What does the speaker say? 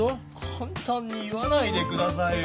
かんたんに言わないで下さいよ。